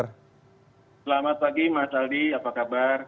selamat pagi mas aldi apa kabar